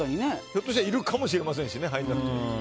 ひょっとしたらいるかもしれませんしね。